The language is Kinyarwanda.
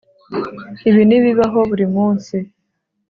Ibi nibibaho buri munsi